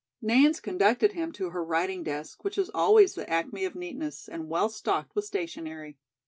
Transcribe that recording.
Nance conducted him to her writing desk, which was always the acme of neatness, and well stocked with stationery.